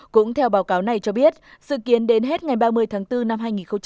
cũng theo báo cáo này cho biết dự kiến đến hết ngày ba mươi tháng bốn năm hai nghìn hai mươi